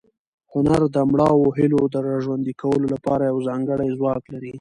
هنر د مړاوو هیلو د راژوندي کولو لپاره یو ځانګړی ځواک لري.